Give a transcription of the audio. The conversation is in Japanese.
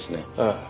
ああ。